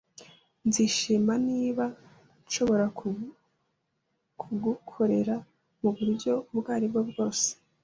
Nzishima niba nshobora kugukorera muburyo ubwo aribwo bwose.